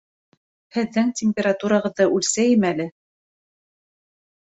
Һеҙҙең температурағыҙҙы үлсәйем әле